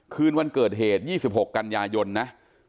คืนวันเกิดเหตุ๒๖กันยายนนะ